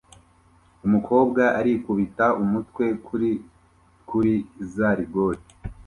Umukobwa arikubita umutwe kuri kuri za rigore